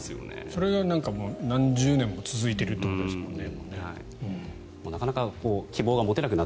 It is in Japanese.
それが何十年も続いているということですよね。